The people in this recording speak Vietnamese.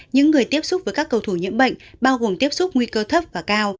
những người tiếp xúc với các cầu thủ nhiễm bệnh bao gồm tiếp xúc nguy cơ thấp và cao